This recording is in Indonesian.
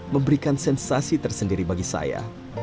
memberikan sensasi tersendiri bagi saya